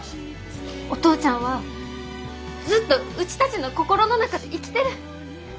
お父ちゃんはずっとうちたちの心の中で生きてる。